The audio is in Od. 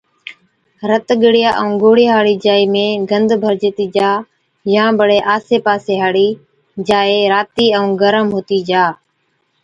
رت ڳڙِيان ائُون گوڙهِيان هاڙِي جائِي ۾ گند ڀرجتِي جا يان بڙي آسي پاسي هاڙِي جاءِ راتِي ائُون گرم هُتِي جا